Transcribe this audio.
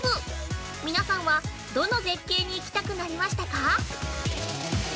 皆さんは、どの絶景に行きたくなりましたか。